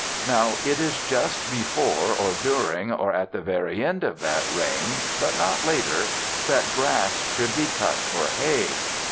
Now it is just before, or during, or at the very end of that rain but not later that grass should be cut for hay.